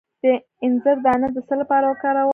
د انځر دانه د څه لپاره وکاروم؟